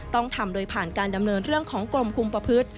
ต้องทำโดยผ่านการดำเนินเรื่องของกรมคุมประพฤติ